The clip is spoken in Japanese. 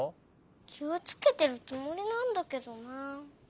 きをつけてるつもりなんだけどなあ。